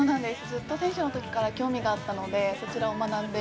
ずっと選手のときから興味があったので、そちらを学んで。